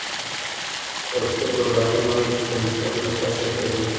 رسول رباني وايي چې ټولنپوهنه د کشف علم دی.